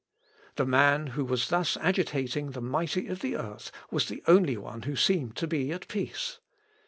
] The man who was thus agitating the mighty of the earth was the only one who seemed to be at peace.